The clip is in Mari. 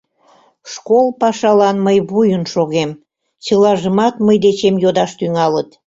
Школ пашалан мый вуйын шогем, чылажымат мый дечем йодаш тӱҥалыт.